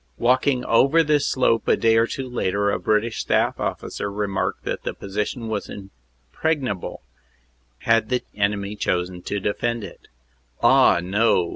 Walking over this slope a day or two later, a British staff officer remarked that the position was impregnable had the enemy chosen to defend it. Ah, no!